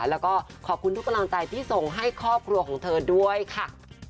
แล้วก็ขอบคุณทุกกำลังใจที่ส่งให้ครอบครัวของเธอด้วยค่ะ